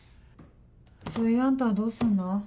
そういうあんたはどうすんの？